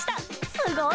すごい。